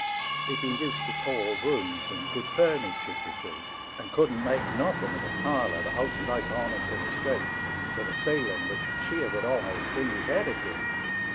He'd been used to tall rooms and good furniture, d'ye see, and couldn't make nothen of a parlour that opened right on into a street, with a ceiling which a cheer would almost bring his head agin.